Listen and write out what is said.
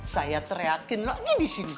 saya teriakin lo nih disini